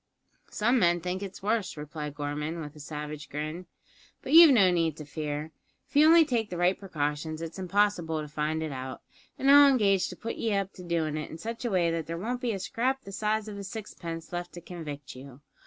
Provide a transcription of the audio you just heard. "Some men think it's worse," replied Gorman, with a savage grin; "but you've no need to fear. If you only take the right precautions it's impossible to find it out, an' I'll engage to put ye up to doin' it in such a way that there won't be a scrap the size of a sixpence left to convict you.